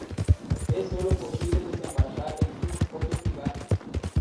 Es solo posible desembarcar en unos pocos lugares.